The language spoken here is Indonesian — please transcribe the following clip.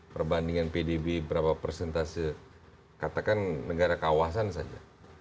perbandingan pdb berapa persentase katakan negara kawasan saja